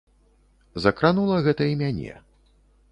Закранула гэта і мяне.